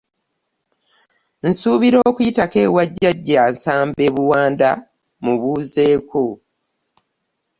Nsuubira okuyitako ewa jjajja Nsamba e Buwanda mmubuuzeeko.